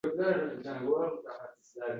Kelin tishini tishiga bosib, olti oy chidadi